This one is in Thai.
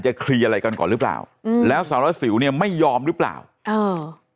เคลียร์อะไรกันก่อนหรือเปล่าอืมแล้วสารวัสสิวเนี่ยไม่ยอมหรือเปล่าเออ